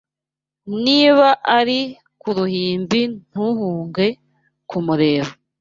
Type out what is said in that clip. Niba ari ku ruhimbi Ntuhuge kumureba